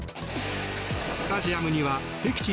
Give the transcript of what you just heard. スタジアムには敵地